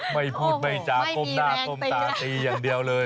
ไม่พูดไม่จาก้มหน้าก้มตาตีอย่างเดียวเลย